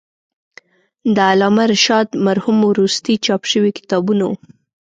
د علامه رشاد مرحوم وروستي چاپ شوي کتابونه و.